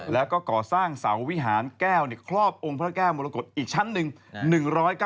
แล้วก็ก่อสร้างเสาวิหารแก้วครอบองค์พระแก้วมรกฏอีกชั้นหนึ่ง